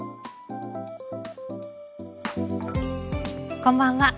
こんばんは。